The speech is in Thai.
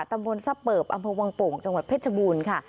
ตำบลซับเปิบอำเภอวังโป่งจังหวัดเพชรบูรณ์ค่ะ